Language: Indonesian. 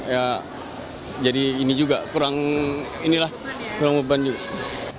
ya jadi ini juga kurang beban juga